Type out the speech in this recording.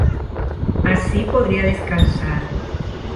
Así podría descansar.